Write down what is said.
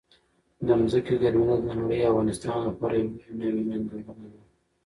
د ځمکې ګرمېدل د نړۍ او افغانستان لپاره یو لوی نوي ننګونه ده.